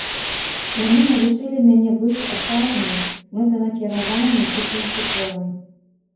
Яны навучылі мяне быць адказнай, мэтанакіраванай і прынцыповай.